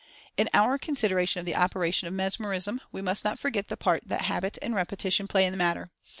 In our consideration of the operation of Mesmerism we must not forget the part that habit and repetition play in the matter.